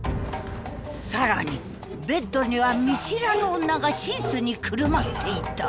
更にベッドには見知らぬ女がシーツにくるまっていた。